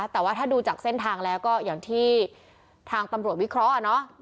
แต่ว่าถ้าดูจากเส้นทางแล้วก็อย่างที่ทางตำรวจวิเคราะห์